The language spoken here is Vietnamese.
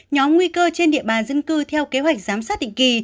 nhóm nguy cơ trên địa bàn dân cư theo kế hoạch giám sát định kỳ